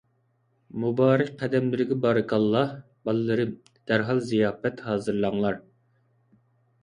مۇبارەك قەدەملىرىگە بارىكاللاھ، بالىلىرىم، دەرھال زىياپەت ھازىرلاڭلار!